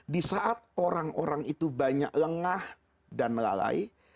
di saat orang orang itu banyak lengah dan melalai